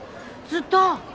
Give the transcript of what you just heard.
ずっと！？